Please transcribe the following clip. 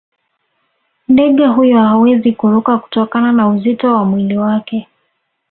ndege huyo hawezi kuruka kutokana na uzito wa mwili wake